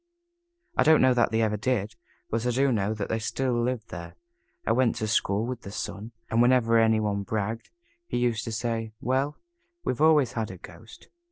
I don't know that they ever did, but I do know that they still live there. I went to school with the son, and whenever any one bragged, he used to say, "Well, we've always had a ghost.